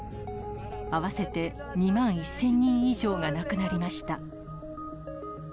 合わせて２万１０００人以上が亡くなりました。